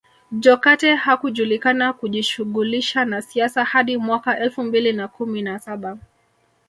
Jokate hakujulikana kujishughulisha na siasa hadi mwaka elfu mbili na kumi na saba